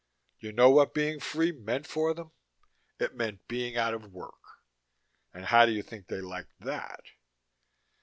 You know what being free meant for them? It meant being out of work. And how do you think they liked that?